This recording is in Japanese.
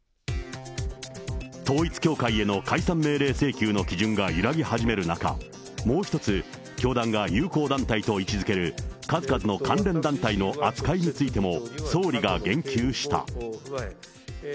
統一教会への解散命令請求の基準が揺らぎ始める中、もう一つ、教団が友好団体と位置づける数々の関連団体の扱いについても総理が言及した。